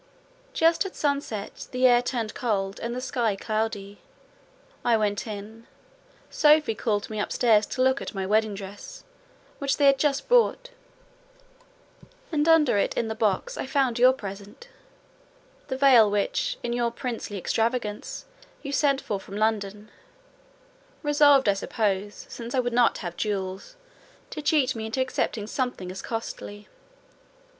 Just at sunset, the air turned cold and the sky cloudy: I went in, Sophie called me upstairs to look at my wedding dress, which they had just brought; and under it in the box I found your present—the veil which, in your princely extravagance, you sent for from London: resolved, I suppose, since I would not have jewels, to cheat me into accepting something as costly.